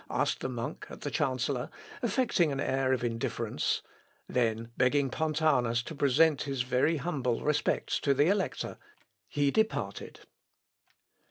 asked the monk at the chancellor, affecting an air of indifference; then begging Pontanus to present his very humble respects to the Elector, he departed.